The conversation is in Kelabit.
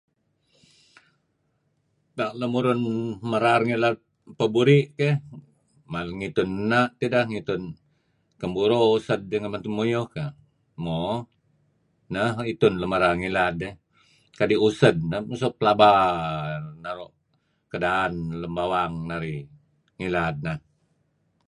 Tak lamulun maral ngilad paburih keh[mal..]ngitun nah tidah, ngitun kan buru usad dih ngan muyuh kah, mo nah itun lun maral ngilad [err]kadih usad nah suk pelaba.. naruh keadaan lam bawang narih ngilad nah